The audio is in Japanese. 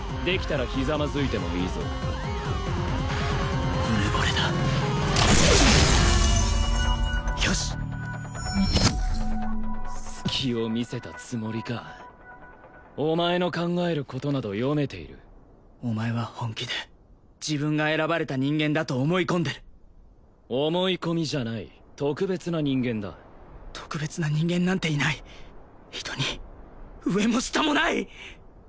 できたらひざまずいてもいいぞうぬぼれだよしっ隙を見せたつもりかお前の考えることなど読めているお前は本気で自分が選ばれた人間だと思い込んでる思い込みじゃない特別な人間だ特別な人間なんていない人に上も下もない！